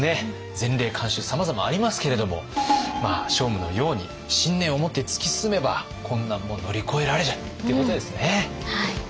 前例慣習さまざまありますけれども聖武のように信念をもって突き進めば困難も乗り越えられるっていうことですね。